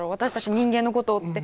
人間のことをって。